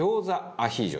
アヒージョ？